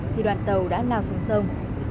thì đoàn tàu đã lao xuống sông